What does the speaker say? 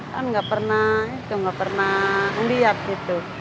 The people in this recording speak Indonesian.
kan nggak pernah nggak pernah melihat gitu